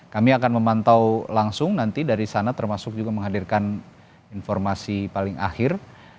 kami akan memantau langsung nanti dari sana termasuk juga menghadirkan informasi paling akhir